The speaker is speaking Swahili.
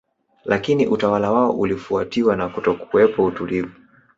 Lakini utawala wao ulifuatiwa na kutokuwepo utulivu